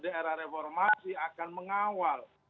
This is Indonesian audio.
di era reformasi akan mengawal